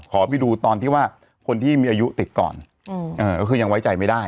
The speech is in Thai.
ขอไปดูตอนที่ว่าคนที่มีอายุติดก่อนก็คือยังไว้ใจไม่ได้